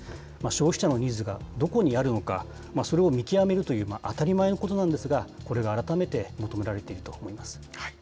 消費者のニーズがどこにあるのか、それを見極めるという、当たり前のことなんですが、これが改めて求められていると思います。